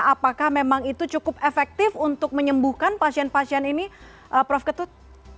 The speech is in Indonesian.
apakah memang itu cukup efektif untuk menyembuhkan pasien pasien ini prof ketut